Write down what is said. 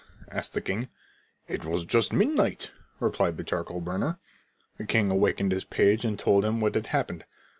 asked the king. "It was just midnight," replied the charcoal burner. The king awakened his page and told him what had happened.